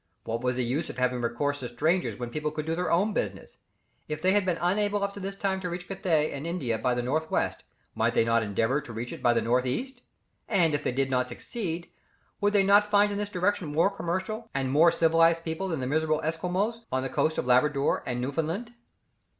What was the use of having recourse to strangers when people could do their own business? If they had been unable up to this time to reach Cathay and India by the north west, might they not endeavour to reach it by the north east. And if they did not succeed, would they not find in this direction more commercial, and more civilized people than the miserable Esquimaux on the coast of Labrador and Newfoundland?